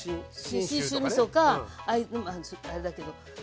信州みそかあれだけど。